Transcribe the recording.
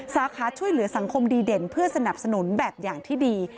สาขาช่วยเหลือสังคมดีเด่นเพื่อสนับสนุนแบบอย่างที่ดี